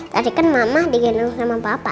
tadi kan mama digendong sama papa